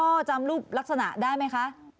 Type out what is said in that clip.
จำรูปลักษณะได้ไหมคะ